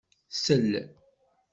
Sel!